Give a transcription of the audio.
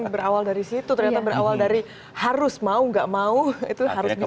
berawal dari situ ternyata berawal dari harus mau gak mau itu harus bisa